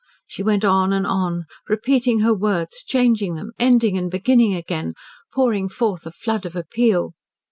She went on and on, repeating her words, changing them, ending and beginning again, pouring forth a flood of appeal.